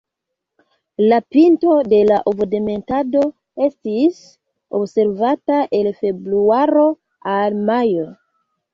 La pinto de la ovodemetado estis observata el februaro al majo.